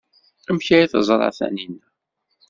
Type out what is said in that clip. Amek ay teẓra Taninna?